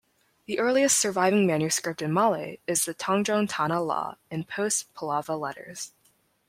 The earliest surviving manuscript in Malay is the Tanjong Tanah Law in post-Pallava letters.